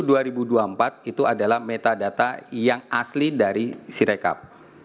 yang keluar dari pemilu dua ribu dua puluh empat itu adalah metadata yang asli dari sirecap